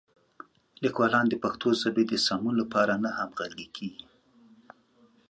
لیکوالان د پښتو ژبې د تدوین لپاره نه همغږي کېږي.